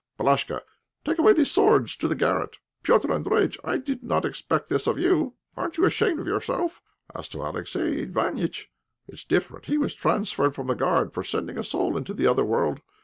Palashka, take away the swords to the garret. Petr' Andréjïtch, I did not expect this of you; aren't you ashamed of yourself? As to Alexey Iványtch, it's different; he was transferred from the Guard for sending a soul into the other world.